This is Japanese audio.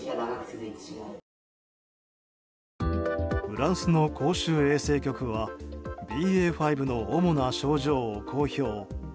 フランスの公衆衛生局はＢＡ．５の主な症状を公表。